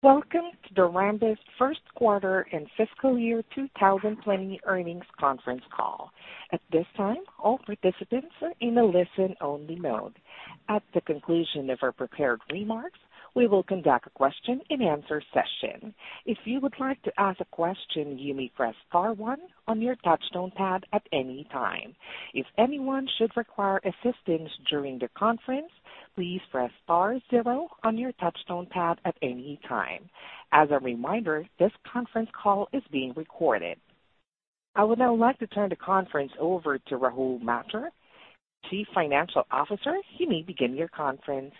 Welcome to the Rambus first quarter and fiscal year 2020 earnings conference call. At this time, all participants are in a listen-only mode. At the conclusion of our prepared remarks, we will conduct a question and answer session. If you would like to ask a question, you may press star one on your touchtone pad at any time. If anyone should require assistance during the conference, please press star zero on your touchtone pad at any time. As a reminder, this conference call is being recorded. I would now like to turn the conference over to Rahul Mathur, Chief Financial Officer. You may begin your conference.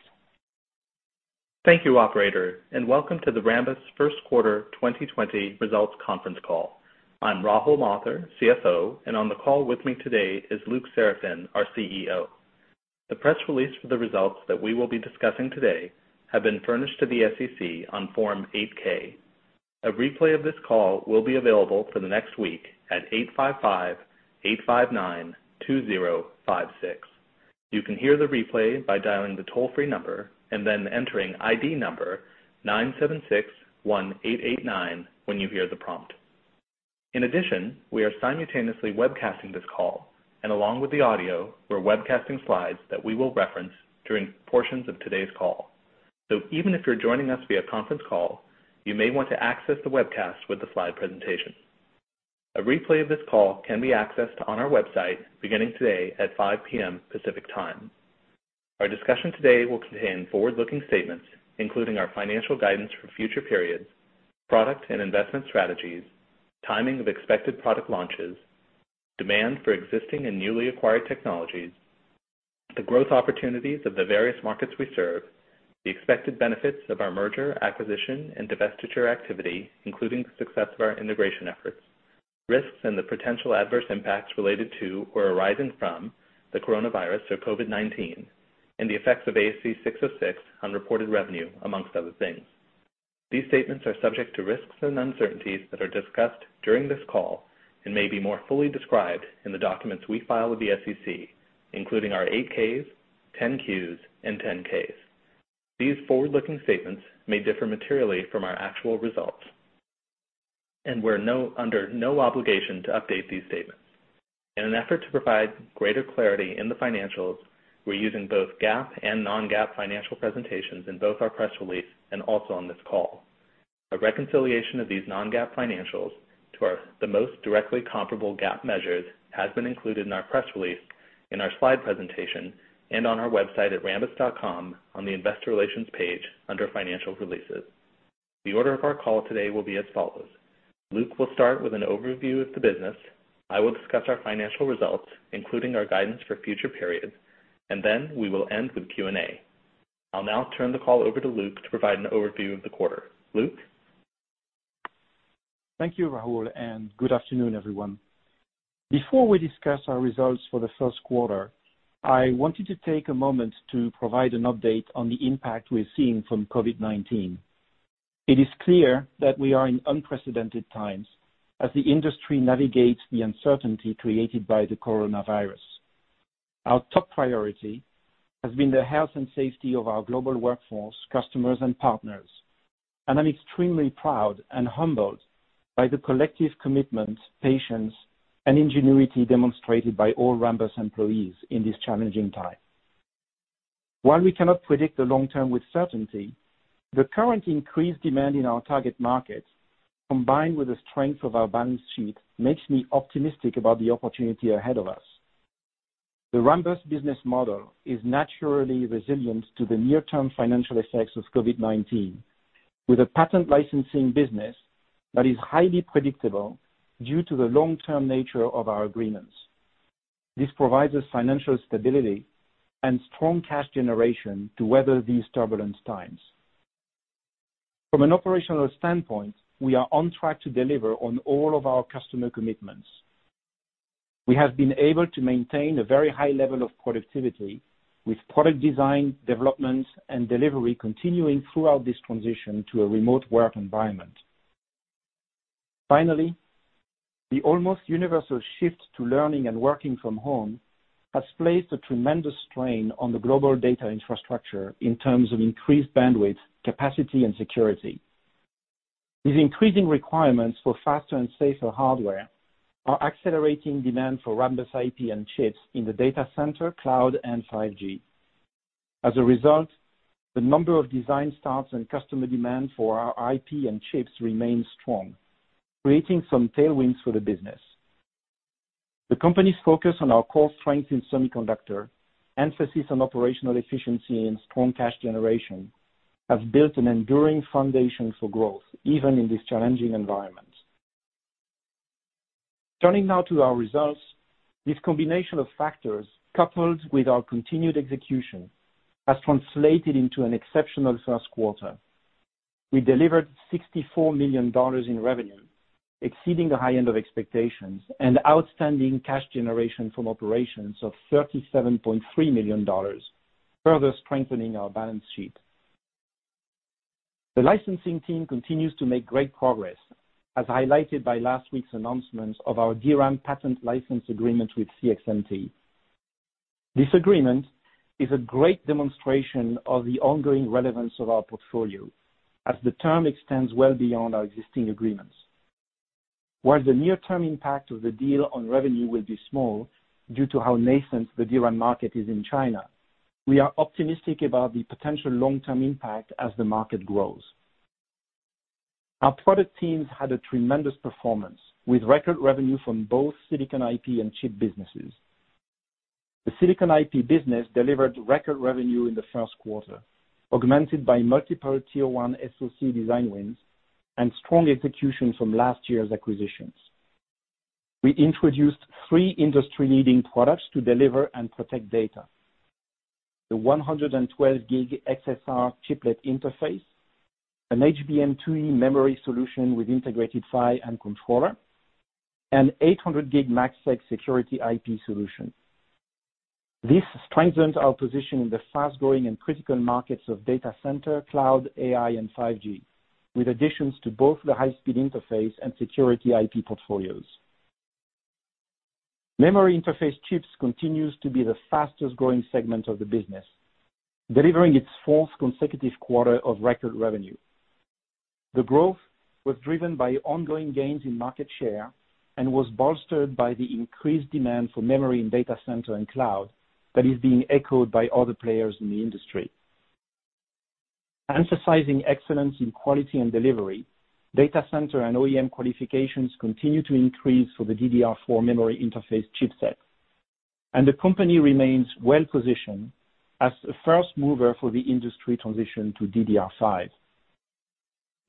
Thank you, operator, and welcome to the Rambus first quarter 2020 results conference call. I'm Rahul Mathur, CFO, and on the call with me today is Luc Seraphin, our CEO. The press release for the results that we will be discussing today have been furnished to the SEC on Form 8-K. A replay of this call will be available for the next week at 855-859-2056. You can hear the replay by dialing the toll-free number and then entering ID number 9761889 when you hear the prompt. In addition, we are simultaneously webcasting this call, and along with the audio, we're webcasting slides that we will reference during portions of today's call. Even if you're joining us via conference call, you may want to access the webcast with the slide presentation. A replay of this call can be accessed on our website beginning today at 5:00 P.M. Pacific Time. Our discussion today will contain forward-looking statements, including our financial guidance for future periods, product and investment strategies, timing of expected product launches, demand for existing and newly acquired technologies, the growth opportunities of the various markets we serve, the expected benefits of our merger, acquisition, and divestiture activity, including the success of our integration efforts, risks and the potential adverse impacts related to or arising from the coronavirus or COVID-19, and the effects of ASC 606 on reported revenue, amongst other things. These statements are subject to risks and uncertainties that are discussed during this call and may be more fully described in the documents we file with the SEC, including our 8-Ks, 10-Qs, and 10-Ks. These forward-looking statements may differ materially from our actual results. We're under no obligation to update these statements. In an effort to provide greater clarity in the financials, we're using both GAAP and non-GAAP financial presentations in both our press release and also on this call. A reconciliation of these non-GAAP financials to the most directly comparable GAAP measures has been included in our press release, in our slide presentation, and on our website at rambus.com on the investor relations page under financial releases. The order of our call today will be as follows. Luc will start with an overview of the business. I will discuss our financial results, including our guidance for future periods, and then we will end with Q&A. I'll now turn the call over to Luc to provide an overview of the quarter. Luc? Thank you, Rahul, and good afternoon, everyone. Before we discuss our results for the first quarter, I wanted to take a moment to provide an update on the impact we're seeing from COVID-19. It is clear that we are in unprecedented times as the industry navigates the uncertainty created by the coronavirus. Our top priority has been the health and safety of our global workforce, customers, and partners. I'm extremely proud and humbled by the collective commitment, patience, and ingenuity demonstrated by all Rambus employees in this challenging time. While we cannot predict the long term with certainty, the current increased demand in our target markets, combined with the strength of our balance sheet, makes me optimistic about the opportunity ahead of us. The Rambus business model is naturally resilient to the near-term financial effects of COVID-19, with a patent licensing business that is highly predictable due to the long-term nature of our agreements. This provides us financial stability and strong cash generation to weather these turbulent times. From an operational standpoint, we are on track to deliver on all of our customer commitments. We have been able to maintain a very high level of productivity with product design, development, and delivery continuing throughout this transition to a remote work environment. Finally, the almost universal shift to learning and working from home has placed a tremendous strain on the global data infrastructure in terms of increased bandwidth, capacity, and security. These increasing requirements for faster and safer hardware are accelerating demand for Rambus IP and chips in the data center, cloud, and 5G. As a result, the number of design starts and customer demand for our IP and chips remains strong, creating some tailwinds for the business. The company's focus on our core strengths in semiconductor, emphasis on operational efficiency, and strong cash generation have built an enduring foundation for growth, even in this challenging environment. Turning now to our results. This combination of factors, coupled with our continued execution, has translated into an exceptional first quarter. We delivered $64 million in revenue, exceeding the high end of expectations, and outstanding cash generation from operations of $37.3 million, further strengthening our balance sheet. The licensing team continues to make great progress, as highlighted by last week's announcement of our DRAM patent license agreement with CXMT. This agreement is a great demonstration of the ongoing relevance of our portfolio as the term extends well beyond our existing agreements. While the near-term impact of the deal on revenue will be small, due to how nascent the DRAM market is in China, we are optimistic about the potential long-term impact as the market grows. Our product teams had a tremendous performance with record revenue from both Silicon IP and chip businesses. The Silicon IP business delivered record revenue in the first quarter, augmented by multiple Tier 1 SoC design wins and strong execution from last year's acquisitions. We introduced three industry-leading products to deliver and protect data, the 112G XSR chiplet interface, an HBM2E memory solution with integrated PHY and controller, and 800G MACsec security IP solution. This strengthens our position in the fast-growing and critical markets of data center, cloud, AI, and 5G, with additions to both the high-speed interface and security IP portfolios. Memory Interface Chips continues to be the fastest-growing segment of the business, delivering its fourth consecutive quarter of record revenue. The growth was driven by ongoing gains in market share and was bolstered by the increased demand for memory in data center and cloud that is being echoed by other players in the industry. Emphasizing excellence in quality and delivery, data center and OEM qualifications continue to increase for the DDR4 Memory Interface chipset, and the company remains well-positioned as a first mover for the industry transition to DDR5.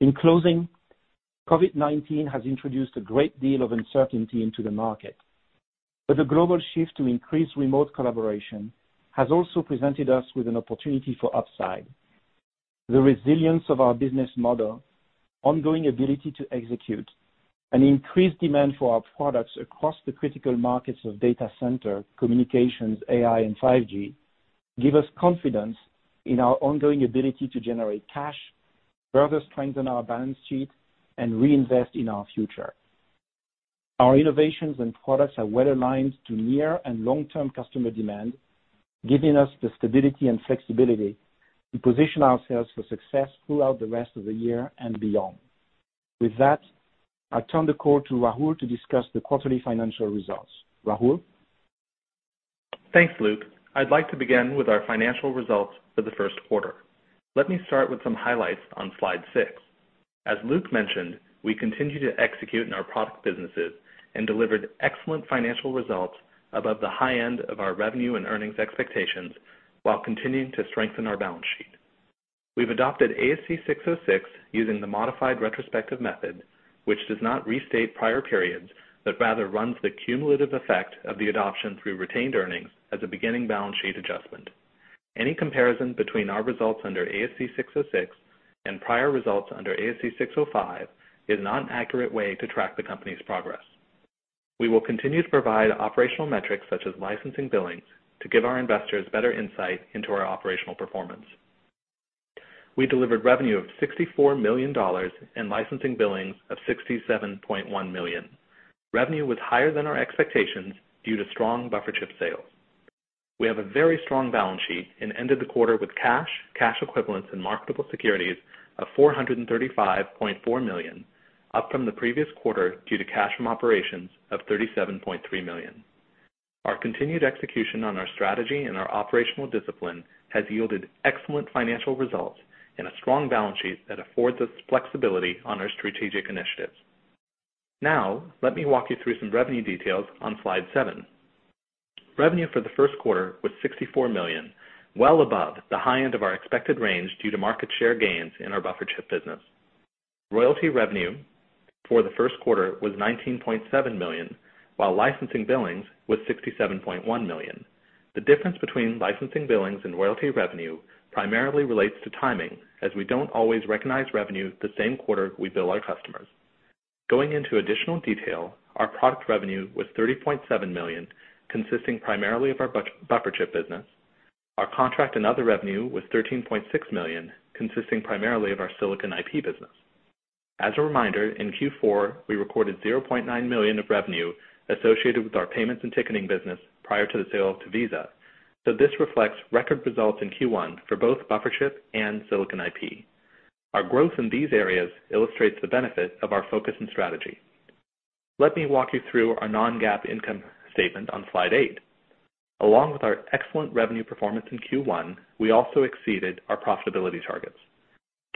In closing, COVID-19 has introduced a great deal of uncertainty into the market. The global shift to increase remote collaboration has also presented us with an opportunity for upside. The resilience of our business model, ongoing ability to execute, and increased demand for our products across the critical markets of data center, communications, AI, and 5G give us confidence in our ongoing ability to generate cash, further strengthen our balance sheet, and reinvest in our future. Our innovations and products are well aligned to near and long-term customer demand, giving us the stability and flexibility to position ourselves for success throughout the rest of the year and beyond. With that, I turn the call to Rahul to discuss the quarterly financial results. Rahul? Thanks, Luc. I'd like to begin with our financial results for the first quarter. Let me start with some highlights on slide six. As Luc mentioned, we continue to execute in our product businesses and delivered excellent financial results above the high end of our revenue and earnings expectations while continuing to strengthen our balance sheet. We've adopted ASC 606 using the modified retrospective method, which does not restate prior periods, but rather runs the cumulative effect of the adoption through retained earnings as a beginning balance sheet adjustment. Any comparison between our results under ASC 606 and prior results under ASC 605 is not an accurate way to track the company's progress. We will continue to provide operational metrics such as licensing billings to give our investors better insight into our operational performance. We delivered revenue of $64 million in licensing billings of $67.1 million. Revenue was higher than our expectations due to strong buffer chip sales. We have a very strong balance sheet and ended the quarter with cash equivalents, and marketable securities of $435.4 million, up from the previous quarter due to cash from operations of $37.3 million. Our continued execution on our strategy and our operational discipline has yielded excellent financial results and a strong balance sheet that affords us flexibility on our strategic initiatives. Now, let me walk you through some revenue details on slide seven. Revenue for the first quarter was $64 million, well above the high end of our expected range due to market share gains in our buffer chip business. Royalty revenue for the first quarter was $19.7 million, while licensing billings was $67.1 million. The difference between licensing billings and royalty revenue primarily relates to timing, as we don't always recognize revenue the same quarter we bill our customers. Going into additional detail, our product revenue was $30.7 million, consisting primarily of our buffer chip business. Our contract and other revenue was $13.6 million, consisting primarily of our Silicon IP business. As a reminder, in Q4, we recorded $0.9 million of revenue associated with our payments and ticketing business prior to the sale to Visa. This reflects record results in Q1 for both buffer chip and Silicon IP. Our growth in these areas illustrates the benefit of our focus and strategy. Let me walk you through our non-GAAP income statement on slide eight. Along with our excellent revenue performance in Q1, we also exceeded our profitability targets.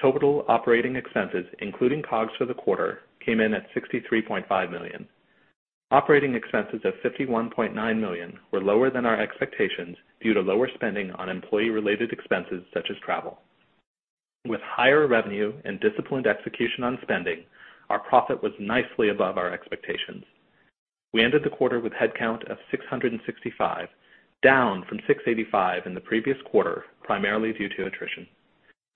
Total operating expenses, including COGS for the quarter, came in at $63.5 million. Operating expenses of $51.9 million were lower than our expectations due to lower spending on employee-related expenses such as travel. With higher revenue and disciplined execution on spending, our profit was nicely above our expectations. We ended the quarter with headcount of 665, down from 685 in the previous quarter, primarily due to attrition.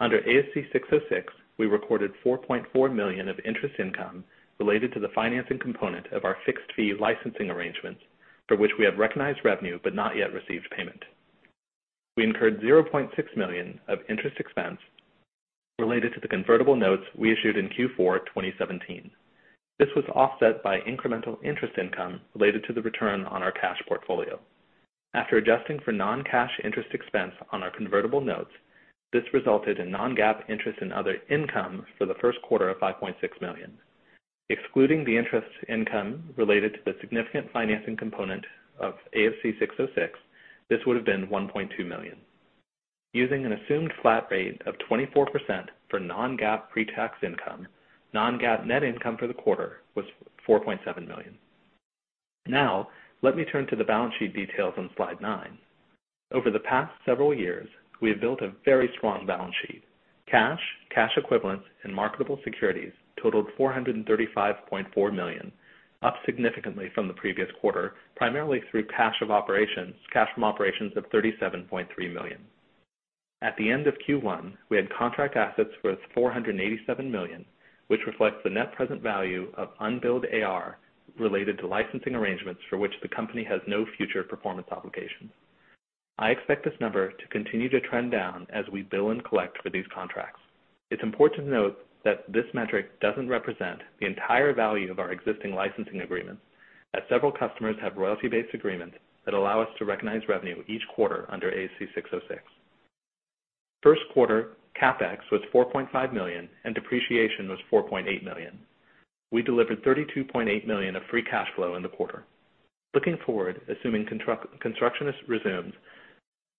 Under ASC 606, we recorded $4.4 million of interest income related to the financing component of our fixed fee licensing arrangements, for which we have recognized revenue but not yet received payment. We incurred $0.6 million of interest expense related to the convertible notes we issued in Q4 2017. This was offset by incremental interest income related to the return on our cash portfolio. After adjusting for non-cash interest expense on our convertible notes, this resulted in non-GAAP interest and other income for the first quarter of $5.6 million. Excluding the interest income related to the significant financing component of ASC 606, this would have been $1.2 million. Using an assumed flat rate of 24% for non-GAAP pre-tax income, non-GAAP net income for the quarter was $4.7 million. Now, let me turn to the balance sheet details on slide nine. Over the past several years, we have built a very strong balance sheet. Cash, cash equivalents, and marketable securities totaled $435.4 million, up significantly from the previous quarter, primarily through cash from operations of $37.3 million. At the end of Q1, we had contract assets worth $487 million, which reflects the net present value of unbilled AR related to licensing arrangements for which the company has no future performance obligation. I expect this number to continue to trend down as we bill and collect for these contracts. It's important to note that this metric doesn't represent the entire value of our existing licensing agreements, as several customers have royalty-based agreements that allow us to recognize revenue each quarter under ASC 606. First quarter CapEx was $4.5 million and depreciation was $4.8 million. We delivered $32.8 million of free cash flow in the quarter. Looking forward, assuming construction resumes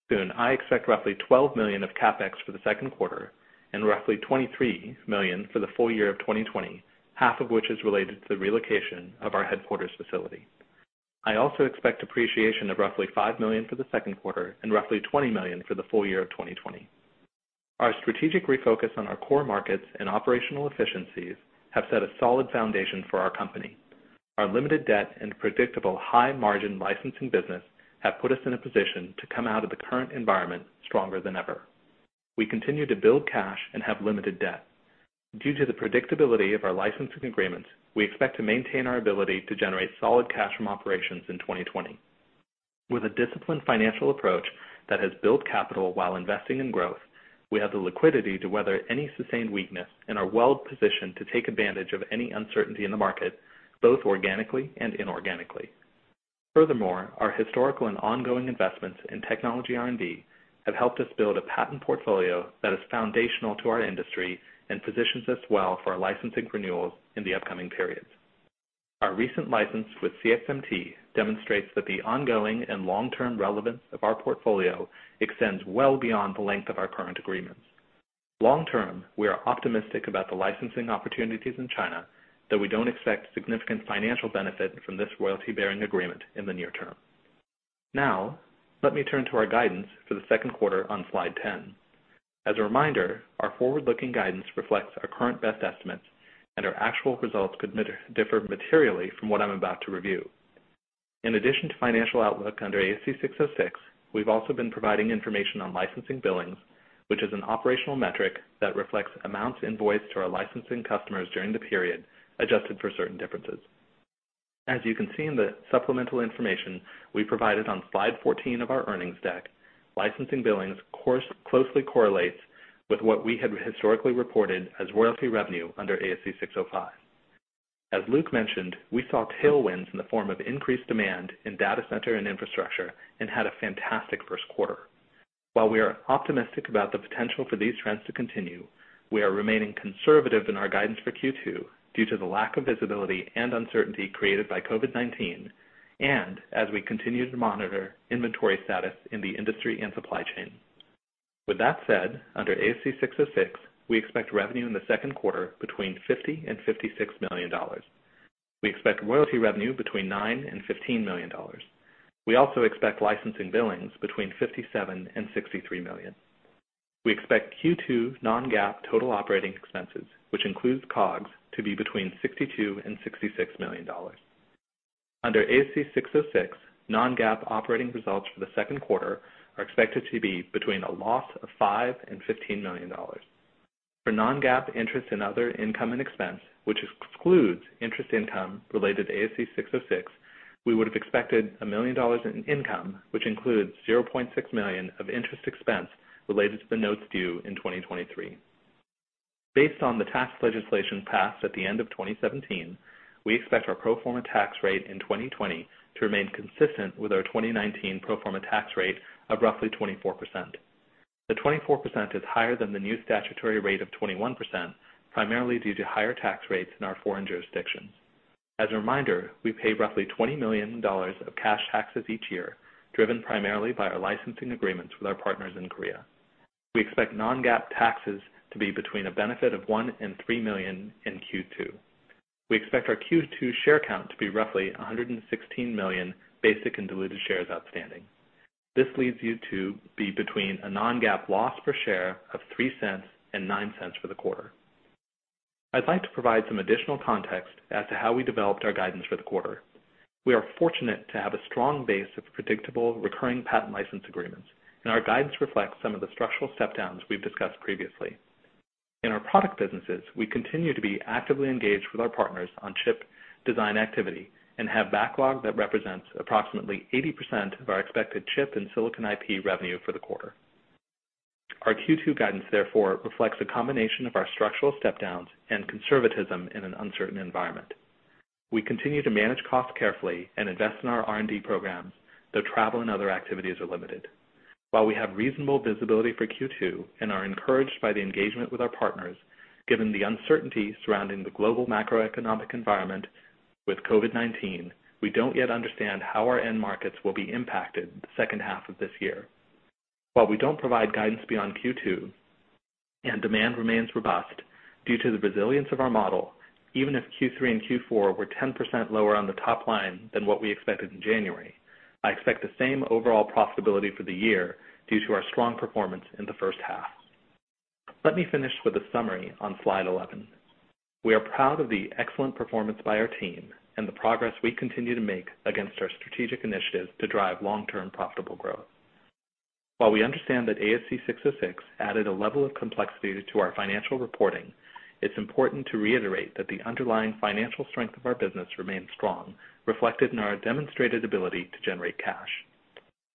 soon, I expect roughly $12 million of CapEx for the second quarter and roughly $23 million for the full year of 2020, half of which is related to the relocation of our headquarters facility. I also expect depreciation of roughly $5 million for the second quarter and roughly $20 million for the full year of 2020. Our strategic refocus on our core markets and operational efficiencies have set a solid foundation for our company. Our limited debt and predictable high-margin licensing business have put us in a position to come out of the current environment stronger than ever. We continue to build cash and have limited debt. Due to the predictability of our licensing agreements, we expect to maintain our ability to generate solid cash from operations in 2020. With a disciplined financial approach that has built capital while investing in growth, we have the liquidity to weather any sustained weakness and are well-positioned to take advantage of any uncertainty in the market, both organically and inorganically. Furthermore, our historical and ongoing investments in technology R&D have helped us build a patent portfolio that is foundational to our industry and positions us well for our licensing renewals in the upcoming periods. Our recent license with CXMT demonstrates that the ongoing and long-term relevance of our portfolio extends well beyond the length of our current agreements. Long term, we are optimistic about the licensing opportunities in China, though we don't expect significant financial benefit from this royalty-bearing agreement in the near term. Now, let me turn to our guidance for the second quarter on slide 10. As a reminder, our forward-looking guidance reflects our current best estimates and our actual results could differ materially from what I'm about to review. In addition to financial outlook under ASC 606, we've also been providing information on licensing billings, which is an operational metric that reflects amounts invoiced to our licensing customers during the period, adjusted for certain differences. As you can see in the supplemental information we provided on slide 14 of our earnings deck, licensing billings closely correlates with what we had historically reported as royalty revenue under ASC 605. As Luc mentioned, we saw tailwinds in the form of increased demand in data center and infrastructure and had a fantastic first quarter. While we are optimistic about the potential for these trends to continue, we are remaining conservative in our guidance for Q2 due to the lack of visibility and uncertainty created by COVID-19 and as we continue to monitor inventory status in the industry and supply chain. With that said, under ASC 606, we expect revenue in the second quarter between $50 and $56 million. We expect royalty revenue between $9 and $15 million. We also expect licensing billings between $57 and $63 million. We expect Q2 non-GAAP total operating expenses, which includes COGS, to be between $62 million and $66 million. Under ASC 606, non-GAAP operating results for the second quarter are expected to be between a loss of $5 million and $15 million. For non-GAAP interest and other income and expense, which excludes interest income related to ASC 606, we would have expected $1 million in income, which includes $0.6 million of interest expense related to the notes due in 2023. Based on the tax legislation passed at the end of 2017, we expect our pro forma tax rate in 2020 to remain consistent with our 2019 pro forma tax rate of roughly 24%. The 24% is higher than the new statutory rate of 21%, primarily due to higher tax rates in our foreign jurisdictions. As a reminder, we pay $20 million of cash taxes each year, driven primarily by our licensing agreements with our partners in Korea. We expect non-GAAP taxes to be between a benefit of $1 million and $3 million in Q2. We expect our Q2 share count to be roughly 116 million basic and diluted shares outstanding. This leads you to be between a non-GAAP loss per share of $0.03 and $0.09 for the quarter. I'd like to provide some additional context as to how we developed our guidance for the quarter. We are fortunate to have a strong base of predictable, recurring patent license agreements, and our guidance reflects some of the structural step-downs we've discussed previously. In our product businesses, we continue to be actively engaged with our partners on chip design activity and have backlog that represents approximately 80% of our expected chip and Silicon IP revenue for the quarter. Our Q2 guidance therefore reflects a combination of our structural step-downs and conservatism in an uncertain environment. We continue to manage costs carefully and invest in our R&D programs, though travel and other activities are limited. While we have reasonable visibility for Q2 and are encouraged by the engagement with our partners, given the uncertainty surrounding the global macroeconomic environment with COVID-19, we don't yet understand how our end markets will be impacted the second half of this year. While we don't provide guidance beyond Q2, and demand remains robust due to the resilience of our model, even if Q3 and Q4 were 10% lower on the top line than what we expected in January, I expect the same overall profitability for the year due to our strong performance in the first half. Let me finish with a summary on slide 11. We are proud of the excellent performance by our team and the progress we continue to make against our strategic initiatives to drive long-term profitable growth. While we understand that ASC 606 added a level of complexity to our financial reporting, it's important to reiterate that the underlying financial strength of our business remains strong, reflected in our demonstrated ability to generate cash.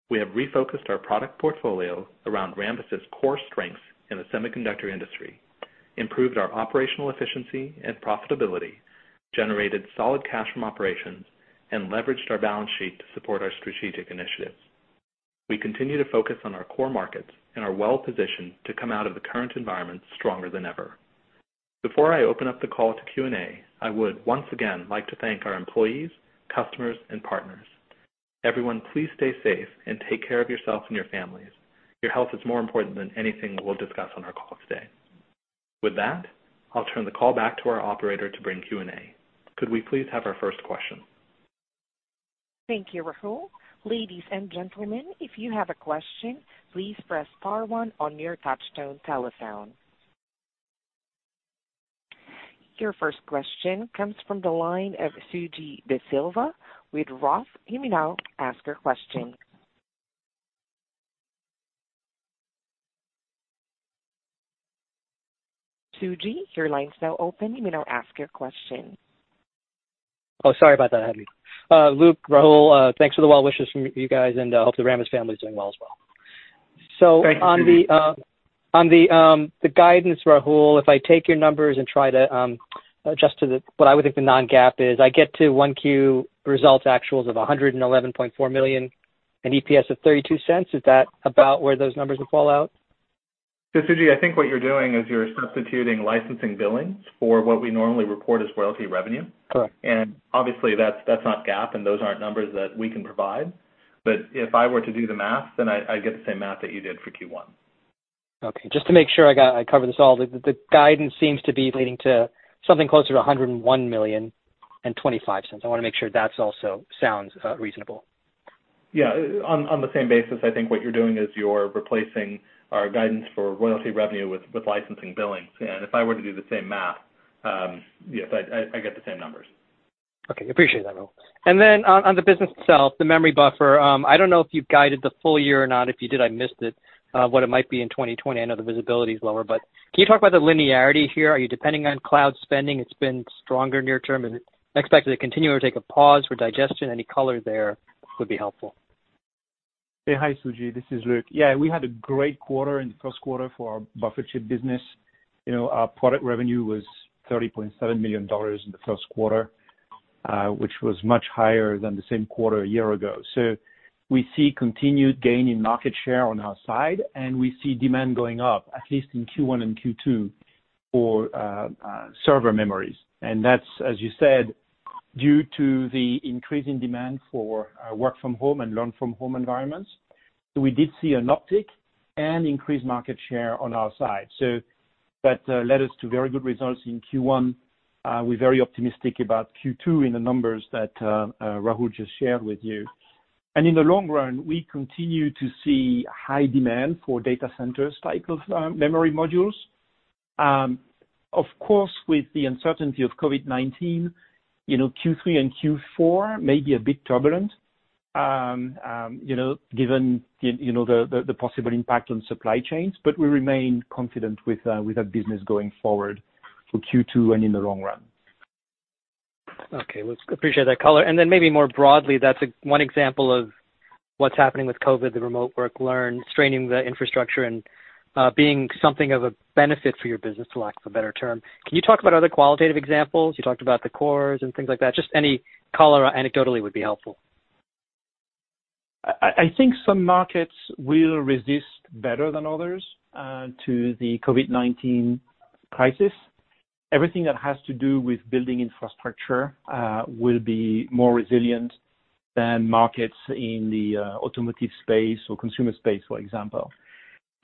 We have refocused our product portfolio around Rambus's core strengths in the semiconductor industry, improved our operational efficiency and profitability, generated solid cash from operations, and leveraged our balance sheet to support our strategic initiatives. We continue to focus on our core markets and are well-positioned to come out of the current environment stronger than ever. Before I open up the call to Q&A, I would once again like to thank our employees, customers, and partners. Everyone, please stay safe and take care of yourself and your families. Your health is more important than anything we'll discuss on our call today. With that, I'll turn the call back to our operator to bring Q&A. Could we please have our first question? Thank you, Rahul. Ladies and gentlemen, if you have a question, please press star one on your touchtone telephone. Your first question comes from the line of Suji De Silva with Roth. You may now ask your question. Suji, your line's now open. You may now ask your question. Oh, sorry about that. Luc, Rahul, thanks for the well wishes from you guys, and hope the Rambus family is doing well as well. Thank you, Suji. On the guidance, Rahul, if I take your numbers and try to adjust to what I would think the non-GAAP is, I get to 1 Q results actuals of $111.4 million and EPS of $0.32. Is that about where those numbers would fall out? Suji, I think what you're doing is you're substituting licensing billings for what we normally report as royalty revenue. Correct. Obviously, that's not GAAP, and those aren't numbers that we can provide. If I were to do the math, I'd get the same math that you did for Q1. Okay, just to make sure I cover this all, the guidance seems to be leading to something closer to $101 million and $0.25. I want to make sure that also sounds reasonable. Yeah. On the same basis, I think what you're doing is you're replacing our guidance for royalty revenue with licensing billings. If I were to do the same math, yes, I get the same numbers. Okay. Appreciate that, Rahul. Then on the business itself, the memory buffer, I don't know if you've guided the full year or not. If you did, I missed it, what it might be in 2020. I know the visibility is lower, but can you talk about the linearity here? Are you depending on cloud spending? It's been stronger near term, and expect it to continue or take a pause for digestion. Any color there would be helpful. Hey. Hi, Suji. This is Luc. Yeah, we had a great quarter in the first quarter for our buffer chip business. Our product revenue was $30.7 million in the first quarter, which was much higher than the same quarter a year ago. We see continued gain in market share on our side, and we see demand going up, at least in Q1 and Q2, for server memories. That's, as you said, due to the increase in demand for work from home and learn from home environments. We did see an uptick and increased market share on our side. That led us to very good results in Q1. We're very optimistic about Q2 in the numbers that Rahul just shared with you. In the long run, we continue to see high demand for data center type of memory modules. Of course, with the uncertainty of COVID-19, Q3 and Q4 may be a bit turbulent, given the possible impact on supply chains, but we remain confident with our business going forward for Q2 and in the long run. Okay, Luc. Appreciate that color. Maybe more broadly, that's one example of what's happening with COVID, the remote work, learn, straining the infrastructure, and being something of a benefit for your business, for lack of a better term. Can you talk about other qualitative examples? You talked about the cores and things like that. Just any color anecdotally would be helpful. I think some markets will resist better than others to the COVID-19 crisis. Everything that has to do with building infrastructure will be more resilient than markets in the automotive space or consumer space, for example.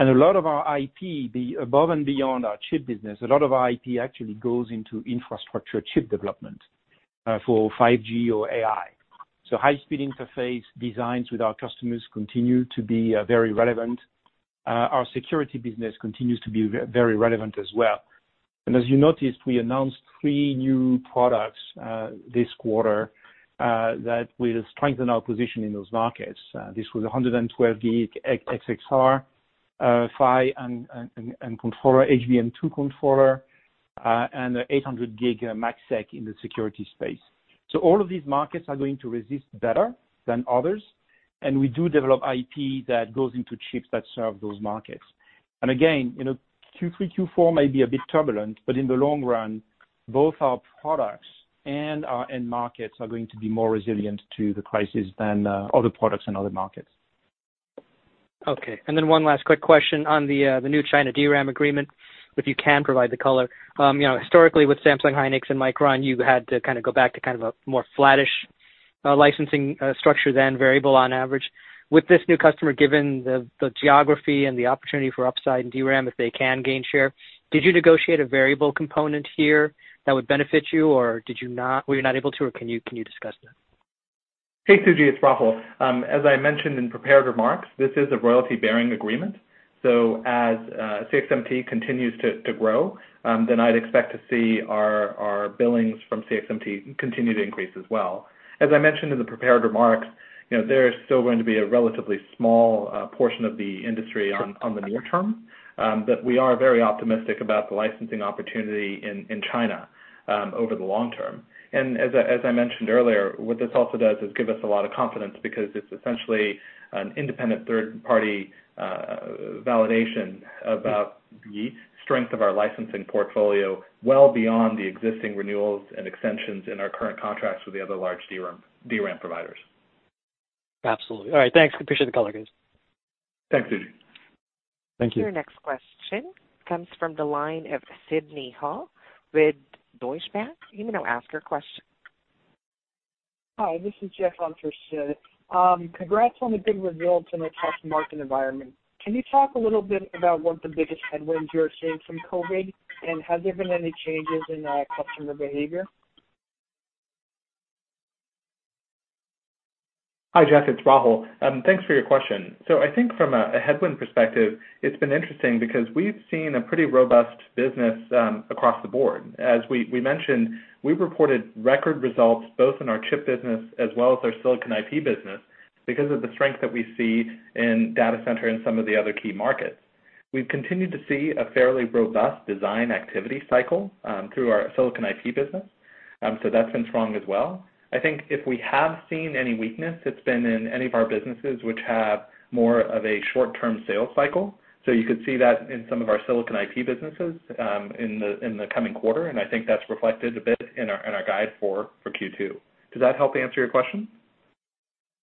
A lot of our IP, above and beyond our chip business, a lot of our IP actually goes into infrastructure chip development for 5G or AI. High-speed interface designs with our customers continue to be very relevant. Our security business continues to be very relevant as well. As you noticed, we announced three new products this quarter that will strengthen our position in those markets. This was 112G XSR PHY and controller, HBM2E controller, and 800G MACsec in the security space. All of these markets are going to resist better than others, and we do develop IP that goes into chips that serve those markets. Again, Q3, Q4 may be a bit turbulent, but in the long run, both our products and our end markets are going to be more resilient to the crisis than other products and other markets. Okay. Then one last quick question on the new China DRAM agreement, if you can provide the color. Historically with Samsung, Hynix and Micron, you had to go back to kind of a more flattish licensing structure than variable on average. With this new customer, given the geography and the opportunity for upside in DRAM, if they can gain share, did you negotiate a variable component here that would benefit you, or were you not able to, or can you discuss that? Hey, Suji, it's Rahul. As I mentioned in prepared remarks, this is a royalty-bearing agreement, so as CXMT continues to grow, then I'd expect to see our billings from CXMT continue to increase as well. As I mentioned in the prepared remarks, there is still going to be a relatively small portion of the industry on the near term, but we are very optimistic about the licensing opportunity in China over the long term. As I mentioned earlier, what this also does is give us a lot of confidence because it's essentially an independent third-party validation about the strength of our licensing portfolio well beyond the existing renewals and extensions in our current contracts with the other large DRAM providers. Absolutely. All right, thanks. Appreciate the color, guys. Thanks, Suji. Thank you. Your next question comes from the line of Sidney Ho with Deutsche Bank. You may now ask your question. Hi, this is Jeff Hunter for Sidney. Congrats on the good results in a tough market environment. Can you talk a little bit about what the biggest headwinds you're seeing from COVID, and has there been any changes in customer behavior? Hi, Jeff, it's Rahul. Thanks for your question. I think from a headwind perspective, it's been interesting because we've seen a pretty robust business across the board. As we mentioned, we've reported record results both in our chip business as well as our Silicon IP business because of the strength that we see in data center and some of the other key markets. We've continued to see a fairly robust design activity cycle through our Silicon IP business, so that's been strong as well. I think if we have seen any weakness, it's been in any of our businesses which have more of a short-term sales cycle. You could see that in some of our Silicon IP businesses in the coming quarter, and I think that's reflected a bit in our guide for Q2. Does that help answer your question?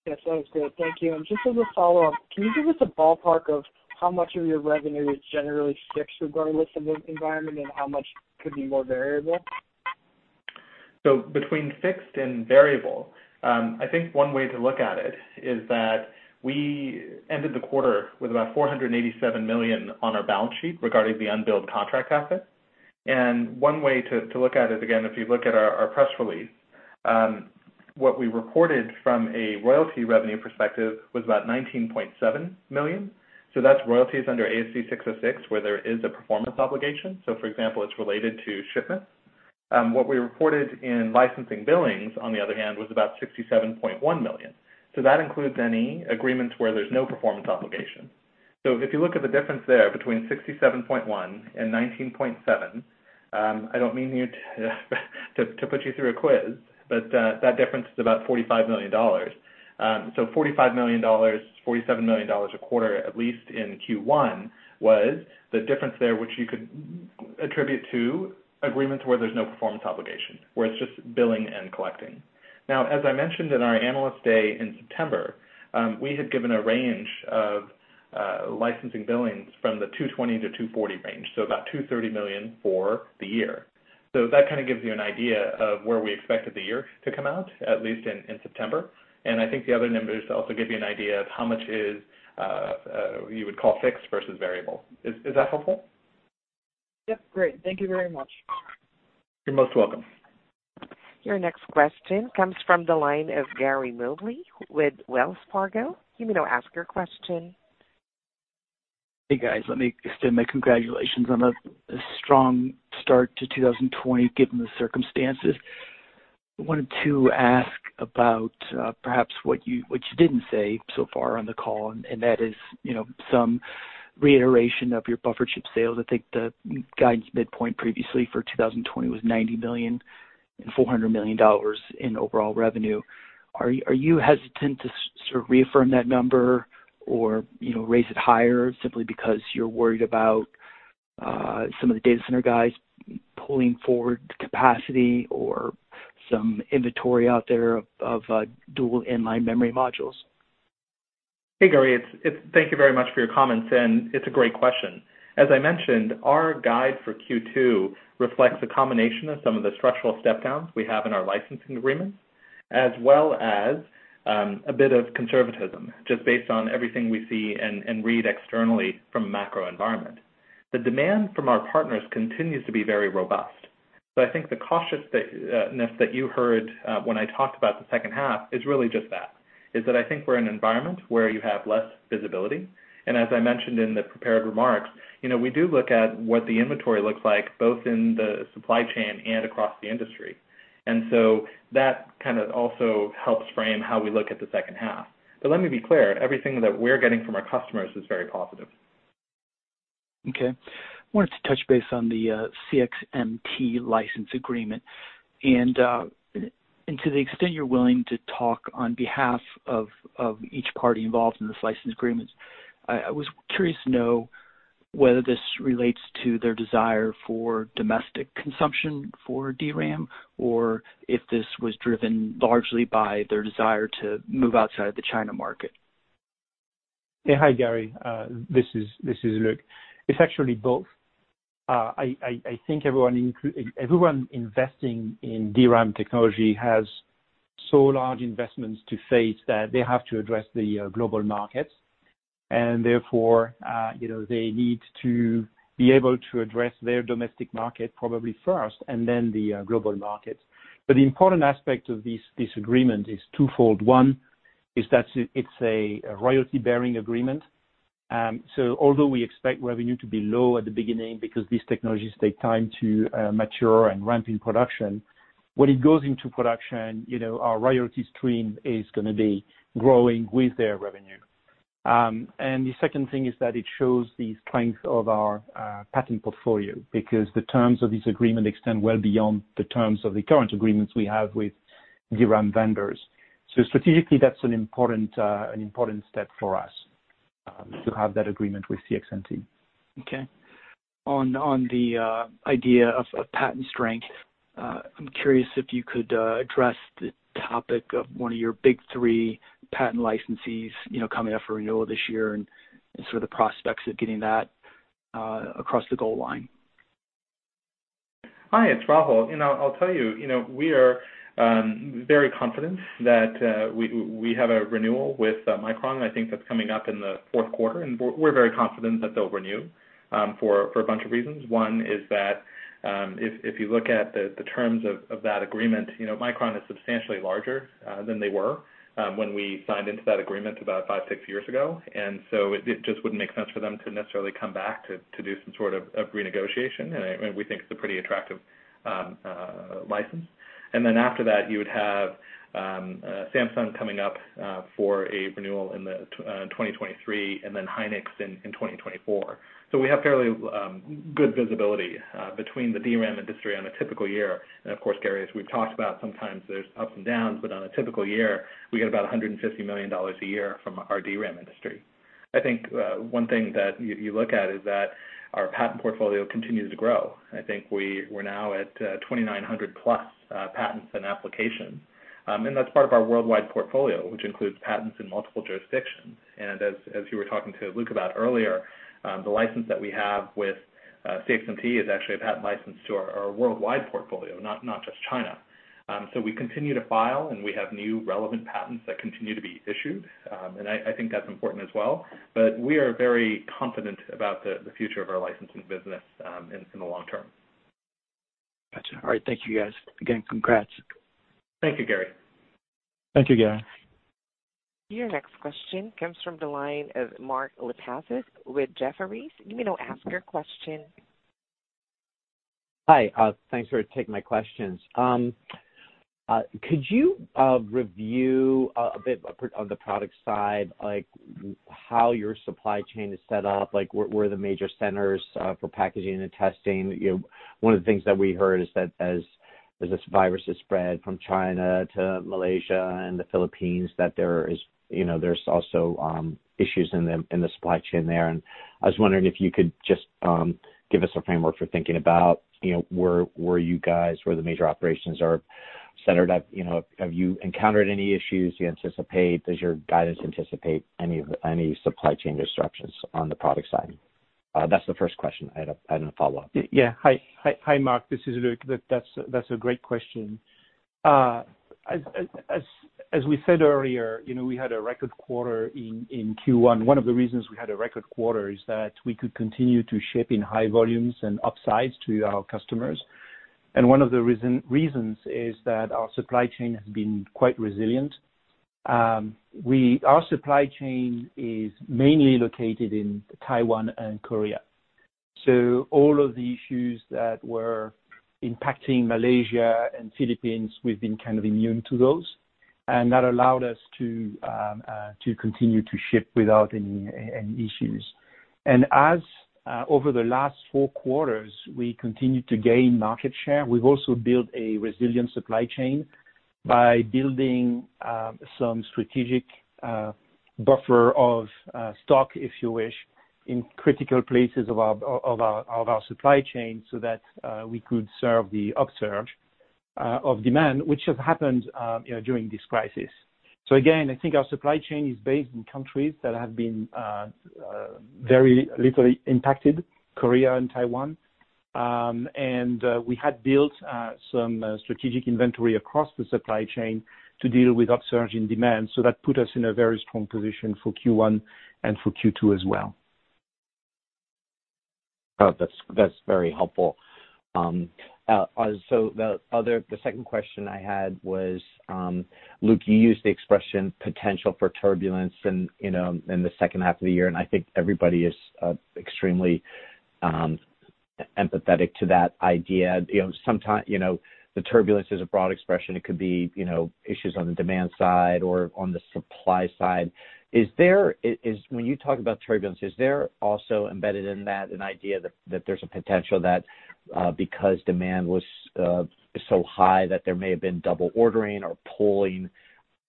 Yes, that was good. Thank you. Just as a follow-up, can you give us a ballpark of how much of your revenue is generally fixed regardless of the environment and how much could be more variable? Between fixed and variable, I think one way to look at it is that we ended the quarter with about $487 million on our balance sheet regarding the unbilled contract asset. One way to look at it, again, if you look at our press release, what we reported from a royalty revenue perspective was about $19.7 million. That's royalties under ASC 606, where there is a performance obligation. For example, it's related to shipments. What we reported in licensing billings, on the other hand, was about $67.1 million. That includes any agreements where there's no performance obligation. If you look at the difference there between 67.1 and 19.7, I don't mean to put you through a quiz, but that difference is about $45 million. $45 million, $47 million a quarter, at least in Q1, was the difference there, which you could attribute to agreements where there's no performance obligation, where it's just billing and collecting. As I mentioned in our Analyst Day in September, we had given a range of licensing billings from the $220 million-$240 million range, so about $230 million for the year. That kind of gives you an idea of where we expected the year to come out, at least in September. I think the other numbers also give you an idea of how much is, you would call fixed versus variable. Is that helpful? Yep. Great. Thank you very much. You're most welcome. Your next question comes from the line of Gary Mobley with Wells Fargo. You may now ask your question. Hey, guys. Let me extend my congratulations on a strong start to 2020 given the circumstances. I wanted to ask about perhaps what you didn't say so far on the call, and that is some reiteration of your buffered chip sales. I think the guidance midpoint previously for 2020 was $90 million and $400 million in overall revenue. Are you hesitant to sort of reaffirm that number or raise it higher simply because you're worried about some of the data center guys pulling forward the capacity or some inventory out there of dual in-line memory modules? Hey, Gary. Thank you very much for your comments. It's a great question. As I mentioned, our guide for Q2 reflects a combination of some of the structural step downs we have in our licensing agreements, as well as a bit of conservatism, just based on everything we see and read externally from a macro environment. The demand from our partners continues to be very robust. I think the cautiousness that you heard when I talked about the second half is really just that. I think we're in an environment where you have less visibility, and as I mentioned in the prepared remarks, we do look at what the inventory looks like, both in the supply chain and across the industry. That kind of also helps frame how we look at the second half. Let me be clear, everything that we're getting from our customers is very positive. Okay. I wanted to touch base on the CXMT license agreement to the extent you're willing to talk on behalf of each party involved in this license agreement, I was curious to know whether this relates to their desire for domestic consumption for DRAM or if this was driven largely by their desire to move outside of the China market? Yeah. Hi, Gary. This is Luc. It's actually both. I think everyone investing in DRAM technology has so large investments to face that they have to address the global markets. Therefore, they need to be able to address their domestic market probably first, and then the global markets. The important aspect of this agreement is twofold. One, is that it's a royalty-bearing agreement. Although we expect revenue to be low at the beginning because these technologies take time to mature and ramp in production, when it goes into production, our royalty stream is going to be growing with their revenue. The second thing is that it shows the strength of our patent portfolio because the terms of this agreement extend well beyond the terms of the current agreements we have with DRAM vendors. Strategically, that's an important step for us, to have that agreement with CXMT. Okay. On the idea of patent strength, I'm curious if you could address the topic of one of your big three patent licensees coming up for renewal this year and sort of the prospects of getting that across the goal line. Hi, it's Rahul. I'll tell you, we are very confident that we have a renewal with Micron. I think that's coming up in the fourth quarter, and we're very confident that they'll renew, for a bunch of reasons. One is that, if you look at the terms of that agreement, Micron is substantially larger than they were when we signed into that agreement about five, six years ago. It just wouldn't make sense for them to necessarily come back to do some sort of renegotiation. We think it's a pretty attractive license. After that, you would have Samsung coming up for a renewal in 2023 and then Hynix in 2024. We have fairly good visibility between the DRAM industry on a typical year. Of course, Gary, as we've talked about, sometimes there's ups and downs, but on a typical year, we get about $150 million a year from our DRAM industry. I think one thing that you look at is that our patent portfolio continues to grow. I think we're now at 2,900-plus patents and applications, and that's part of our worldwide portfolio, which includes patents in multiple jurisdictions. As you were talking to Luc about earlier, the license that we have with CXMT is actually a patent license to our worldwide portfolio, not just China. We continue to file, and we have new relevant patents that continue to be issued, and I think that's important as well. We are very confident about the future of our licensing business in the long term. Got you. All right. Thank you guys. Again, congrats. Thank you, Gary. Thank you, Gary. Your next question comes from the line of Mark Lipacis with Jefferies. You may now ask your question. Hi. Thanks for taking my questions. Could you review a bit on the product side, like how your supply chain is set up, like where the major centers for packaging and testing? One of the things that we heard is that as this virus has spread from China to Malaysia and the Philippines, that there's also issues in the supply chain there. I was wondering if you could just give us a framework for thinking about where you guys, where the major operations are centered at. Have you encountered any issues? Does your guidance anticipate any supply chain disruptions on the product side? That's the first question. I had a follow-up. Hi, Mark. This is Luc. That's a great question. As we said earlier, we had a record quarter in Q1. One of the reasons we had a record quarter is that we could continue to ship in high volumes and upsides to our customers, and one of the reasons is that our supply chain has been quite resilient. Our supply chain is mainly located in Taiwan and Korea. All of the issues that were impacting Malaysia and Philippines, we've been kind of immune to those, and that allowed us to continue to ship without any issues. As over the last four quarters, we continued to gain market share, we've also built a resilient supply chain by building some strategic buffer of stock, if you wish, in critical places of our supply chain so that we could serve the upsurge of demand, which has happened during this crisis. Again, I think our supply chain is based in countries that have been very little impacted, Korea and Taiwan. We had built some strategic inventory across the supply chain to deal with upsurge in demand, so that put us in a very strong position for Q1 and for Q2 as well. That's very helpful. The second question I had was, Luc, you used the expression "potential for turbulence" in the second half of the year, and I think everybody is extremely empathetic to that idea. The turbulence is a broad expression. It could be issues on the demand side or on the supply side. When you talk about turbulence, is there also embedded in that an idea that there's a potential that because demand was so high that there may have been double ordering or pulling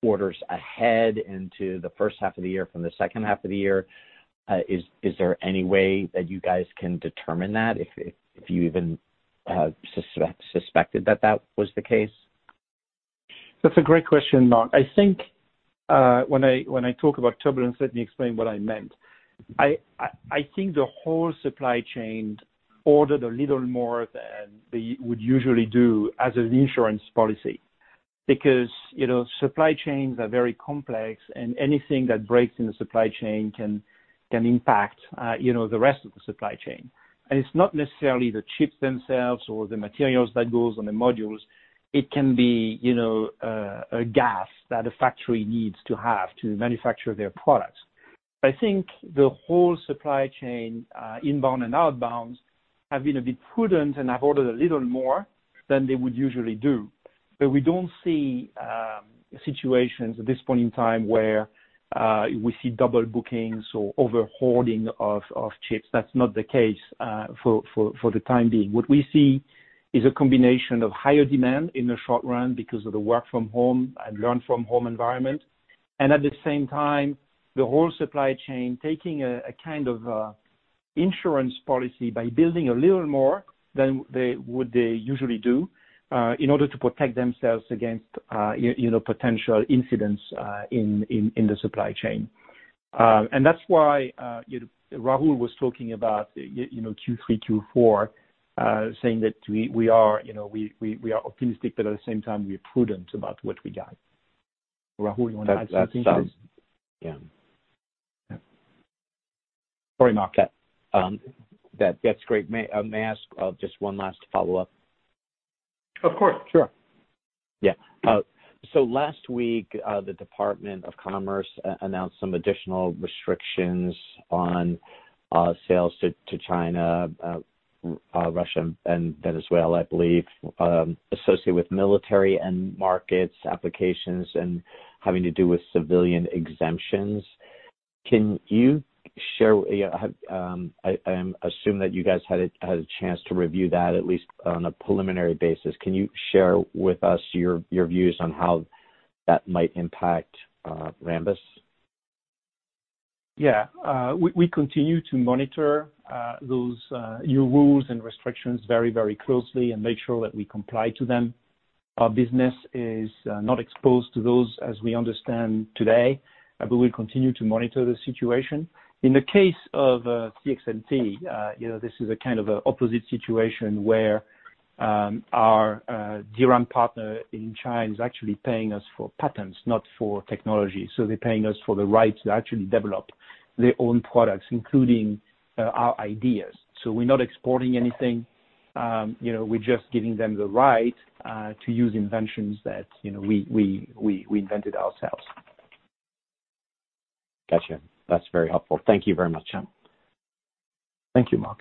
orders ahead into the first half of the year from the second half of the year? Is there any way that you guys can determine that, if you even suspected that that was the case? That's a great question, Mark. I think when I talk about turbulence, let me explain what I meant. I think the whole supply chain ordered a little more than they would usually do as an insurance policy. Supply chains are very complex, and anything that breaks in the supply chain can impact the rest of the supply chain. It's not necessarily the chips themselves or the materials that goes on the modules. It can be a gas that a factory needs to have to manufacture their products. I think the whole supply chain, inbound and outbound, have been a bit prudent and have ordered a little more than they would usually do. We don't see situations at this point in time where we see double bookings or over-hoarding of chips. That's not the case for the time being. What we see is a combination of higher demand in the short run because of the work from home and learn from home environment, and at the same time, the whole supply chain taking a kind of insurance policy by building a little more than they would usually do in order to protect themselves against potential incidents in the supply chain. That's why Rahul was talking about Q3, Q4, saying that we are optimistic, but at the same time, we are prudent about what we guide. Rahul, you want to add some things? Yeah. Yeah. Sorry, Mark. That's great. May I ask just one last follow-up? Of course. Sure. Yeah. Last week, the Department of Commerce announced some additional restrictions on sales to China, Russia, and Venezuela, I believe, associated with military end markets applications and having to do with civilian exemptions. I assume that you guys had a chance to review that, at least on a preliminary basis. Can you share with us your views on how that might impact Rambus? Yeah. We continue to monitor those new rules and restrictions very closely and make sure that we comply to them. Our business is not exposed to those as we understand today, but we'll continue to monitor the situation. In the case of CXMT, this is a kind of opposite situation where our DRAM partner in China is actually paying us for patents, not for technology. They're paying us for the rights to actually develop their own products, including our ideas. We're not exporting anything. We're just giving them the right to use inventions that we invented ourselves. Got you. That's very helpful. Thank you very much. Thank you, Mark.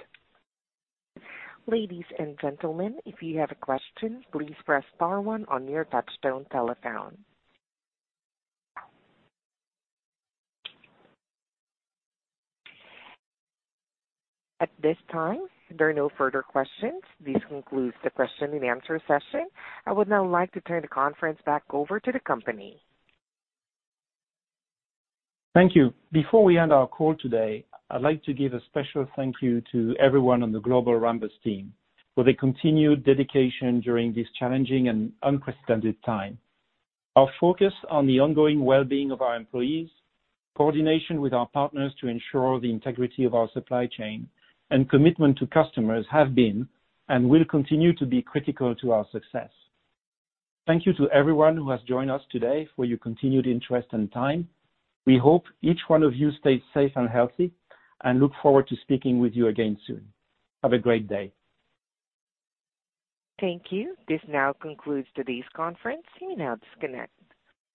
Ladies and gentlemen, if you have a question, please press star one on your touchtone telephone. At this time, there are no further questions. This concludes the question and answer session. I would now like to turn the conference back over to the company. Thank you. Before we end our call today, I'd like to give a special thank you to everyone on the global Rambus team for their continued dedication during this challenging and unprecedented time. Our focus on the ongoing well-being of our employees, coordination with our partners to ensure the integrity of our supply chain, and commitment to customers have been and will continue to be critical to our success. Thank you to everyone who has joined us today for your continued interest and time. We hope each one of you stays safe and healthy, and look forward to speaking with you again soon. Have a great day. Thank you. This now concludes today's conference. You may now disconnect.